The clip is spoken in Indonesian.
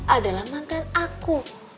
adalah mantan aku